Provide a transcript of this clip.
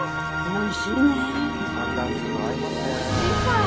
おいしい。